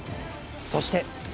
そして。